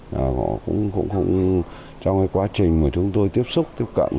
họ cũng trong quá trình mà chúng tôi tiếp xúc tiếp cận